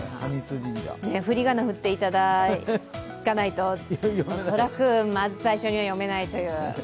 ふりがな振っていただかないと、恐らくまず最初は読めないという。